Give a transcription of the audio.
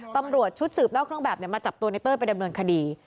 ตำรวจชุดสืบนอกเครื่องแบบมาจับตัวในเต้ยไปดำเนินคดี